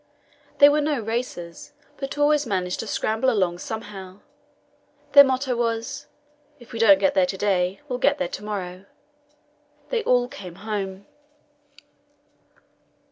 They were no racers, but always managed to scramble along somehow. Their motto was: "If we don't get there to day, we'll get there to morrow." They all came home.